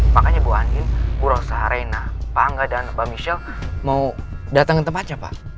makanya bu anin bu rosa reina panga dan mbak michelle mau datang ke tempatnya pak